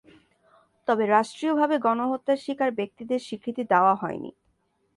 তবে রাষ্ট্রীয়ভাবে গণহত্যার শিকার ব্যক্তিদের স্বীকৃতি দেওয়া হয়নি।